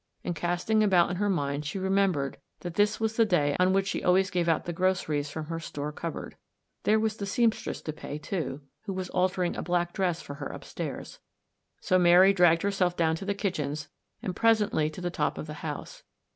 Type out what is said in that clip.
And cast ing about in her mind, she remembered that this was the day on which she always gave out the groceries from her store cupboard; there was the seamstress to pay, too, who was altering a black dress for her upstairs. So Mary dragged herself down to the kitch ens, and presently to the top of the house.